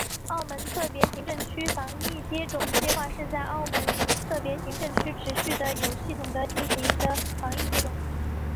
澳门特别行政区防疫接种计划是在澳门特别行政区持续地有系统地进行的防疫接种。